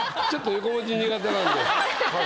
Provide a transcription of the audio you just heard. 横文字苦手なんで。